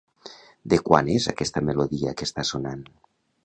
De quan és aquesta melodia que està sonant?